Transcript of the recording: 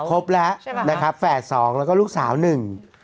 ครบแล้วใช่ไหมนะครับแฝดสองแล้วก็ลูกสาวหนึ่ง